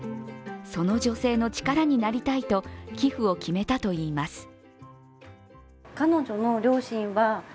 その女性の力になりたいと寄付を決めたといいます。